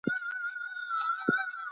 هغوی په ښوونځي کې پښتو وايي.